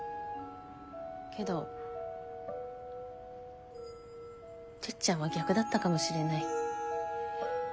けどてっちゃんは逆だったかもしれない。